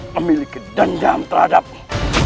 memiliki dendam terhadapmu